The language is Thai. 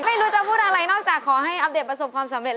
ไม่รู้จะพูดอะไรนอกจากขอให้อัปเดตประสบความสำเร็จ